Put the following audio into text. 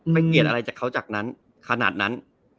เกลียดอะไรจากเขาจากนั้นขนาดนั้น